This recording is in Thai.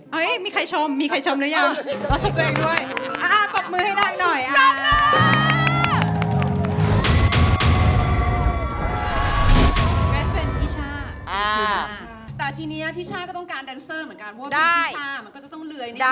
เฮ้ยมีใครชมมีใครชมหรือยัง